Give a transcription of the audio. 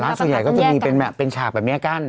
แต่ร้านส่วนใหญ่ก็จะมีเป็นฉากแบบนี้กัน